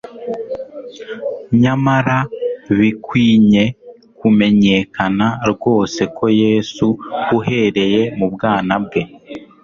Nyamara, bikwinye kumenyekana rwose ko Yesu, uhereye mu bwana bwe,